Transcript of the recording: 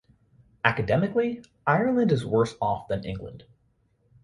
Academically, Ireland is worse off than England.